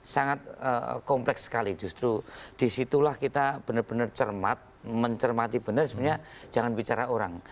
sangat kompleks sekali justru disitulah kita benar benar cermat mencermati benar sebenarnya jangan bicara orang